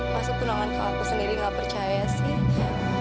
masa tunangan kak aku sendiri gak percaya sih